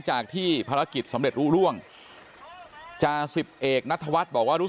จากที่ภารกิจสำเร็จรู้ร่วงจาสิบเอกนัทวัฒน์บอกว่ารู้